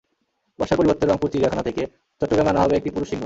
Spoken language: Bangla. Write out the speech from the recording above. বর্ষার পরিবর্তে রংপুর চিড়িয়াখানা থেকে চট্টগ্রানে আনা হবে একটি পুরুষ সিংহ।